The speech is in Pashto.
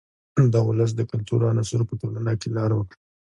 د ولس د کلتور عناصرو په ټولنه کې لار وکړه.